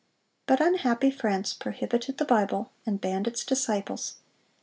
But unhappy France prohibited the Bible, and banned its disciples.